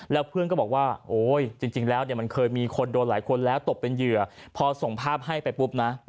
แล้วเพื่อนก็บอกว่าโอ๊ยจริงแล้วเนี่ยมันเคยมีคนโดนหลายคนแล้วตกเป็นเหยื่อพอส่งภาพให้ไปปุ๊บนะ